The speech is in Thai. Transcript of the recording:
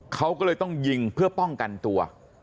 เขาก็เลยต้องยิงเพื่อป้องกันตัว